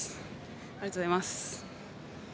ありがとうございます。